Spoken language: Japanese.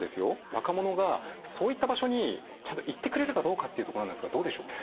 若者がそういった場所にちゃんと行ってくれるかどうかっていうところなんですがどうでしょう？